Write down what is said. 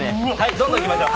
どんどんいきましょう。